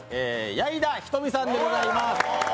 矢井田瞳さんでございます。